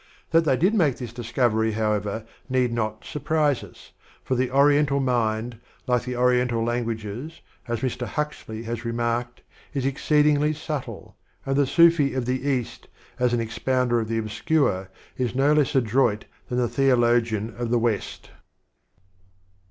That they did make this discovery, however, need not surprise us, for the Oriental mind, like the Ori ental languages, as Mr. Huxley has remarked, is exceedingly subtle, and the Sufi of the East, as an expounder of the obscure, is no less adroit than the Theologian of the West.